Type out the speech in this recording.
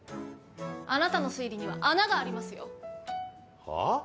あなたの推理には穴がありますよ。